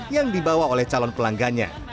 yang dibawa oleh calon pelanggannya